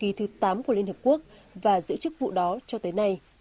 ông đã trở thành nhà ngoại giao của liên hợp quốc và giữ chức vụ đó cho tới nay